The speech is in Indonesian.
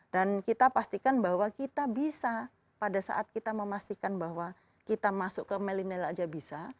dan kita pastikan bahwa kita bisa pada saat kita memastikan bahwa kita masuk ke millennial aja bisa